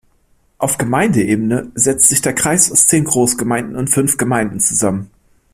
Auf Gemeindeebene setzt sich der Kreis aus zehn Großgemeinde und fünf Gemeinden zusammen.